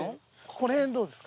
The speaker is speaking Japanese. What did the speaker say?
この辺どうです？